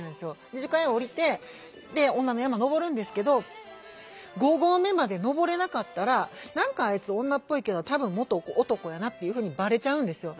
樹海へ下りて女の山登るんですけど５合目まで登れなかったら「何かあいつ女っぽいけど多分元男やな」っていうふうにバレちゃうんですよ。